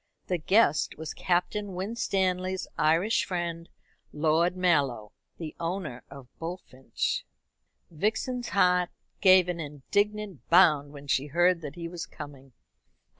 The guest was Captain Winstanley's Irish friend, Lord Mallow, the owner of Bullfinch. Vixen's heart gave an indignant bound when she heard that he was coming.